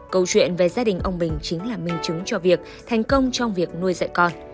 câu chuyện về gia đình ông bình chính là minh chứng cho việc thành công trong việc nuôi dạy con